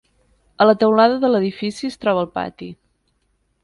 A la teulada de l'edifici es troba el pati.